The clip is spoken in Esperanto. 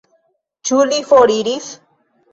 Ĉu li foriris?